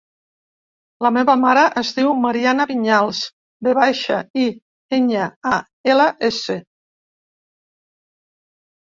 La meva mare es diu Mariana Viñals: ve baixa, i, enya, a, ela, essa.